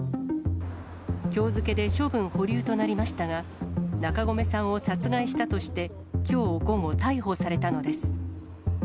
きょう付けで処分保留となりましたが、中込さんを殺害したとして、きょう午後、逮捕されたのです。